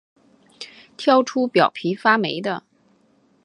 挑出表皮发霉的